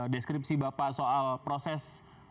deskripsi bapak soal proses